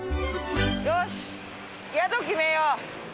よし宿決めよう。